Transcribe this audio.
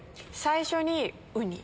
最初にウニ。